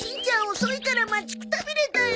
遅いから待ちくたびれたよ。